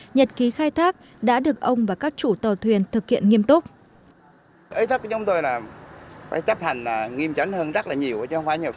nhật ký khai thác đã được ông và các chủ tàu thuyền thực hiện nghiêm túc